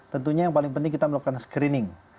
tentunya yang paling penting kita melakukan screening